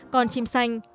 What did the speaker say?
con chim xanh